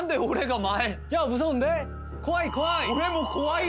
怖い怖い！